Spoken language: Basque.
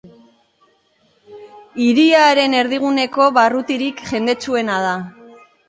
Hiriaren erdiguneko barrutirik jendetsuena da.